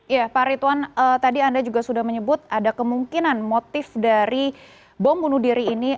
ya pak ridwan tadi anda juga sudah menyebut ada kemungkinan motif dari bom bunuh diri ini